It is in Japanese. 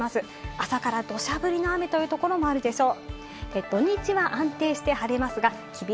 朝から土砂降りの雨というところもあるでしょう。